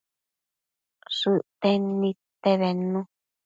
Shëcten nidte bednu